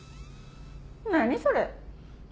何それ。